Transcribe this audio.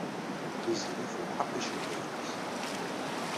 Tiziri temḥeq icenga-nnes.